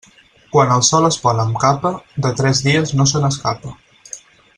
Quan el sol es pon amb capa, de tres dies no se n'escapa.